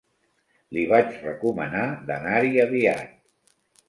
Li vaig recomanar d'anar-hi aviat.